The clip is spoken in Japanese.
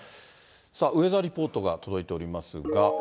さあ、ウェザーリポートが届いておりますが。